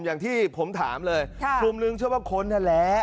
อย่างที่ผมถามเลยกลุ่มนึงเชื่อว่าคนนั่นแหละ